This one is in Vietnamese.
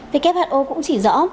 who cũng chỉ rõ